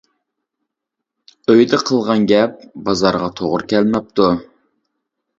ئۆيدە قىلغان گەپ بازارغا توغرا كەلمەپتۇ.